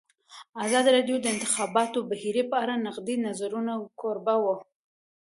ازادي راډیو د د انتخاباتو بهیر په اړه د نقدي نظرونو کوربه وه.